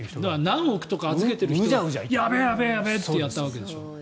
何億とか預けている人がやべやべ！ってやったわけでしょ。